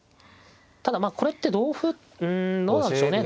ただこれって同歩うんどうなんでしょうね。